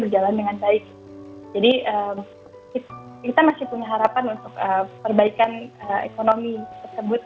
jadi kita masih punya harapan untuk perbaikan ekonomi tersebut